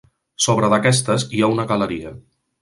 Sobre d'aquestes hi ha una galeria.